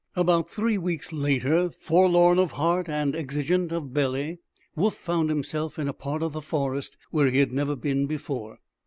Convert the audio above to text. About three weeks later, forlorn of heart and exigent of belly, Woof found himself in a part of the forest where he had never been before.